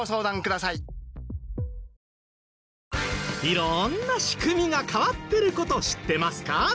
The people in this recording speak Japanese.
色んな仕組みが変わってる事知ってますか？